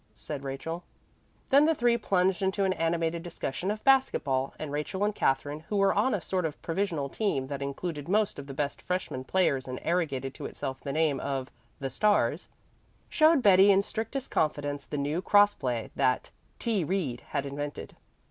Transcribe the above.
said Rachel. Then the three plunged into an animated discussion of basket ball, and Rachel and Katherine, who were on a sort of provisional team that included most of the best freshman players and arrogated to itself the name of "The Stars," showed Betty in strictest confidence the new cross play that "T. Reed" had invented.